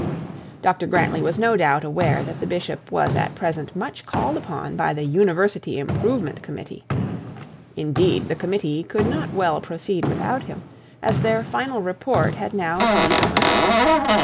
Dr Grantly was no doubt aware that the bishop was at present much called upon by the 'University Improvement Committee': indeed, the Committee could not well proceed without him, as their final report had now to be drawn up.